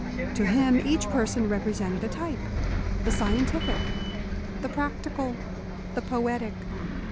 To him each person represented a type the scientific, the practical, the poetic.